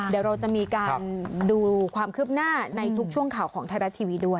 เดี๋ยวเราจะมีการดูความคืบหน้าในทุกช่วงข่าวของไทยรัฐทีวีด้วย